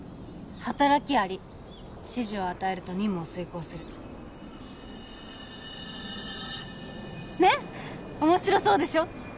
働き蟻指示を与えると任務を遂行するねっ面白そうでしょ？